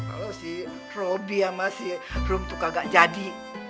kalau si robby sama si room tuh kagak jadi